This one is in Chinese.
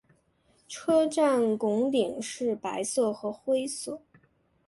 车站拱顶是白色和灰色。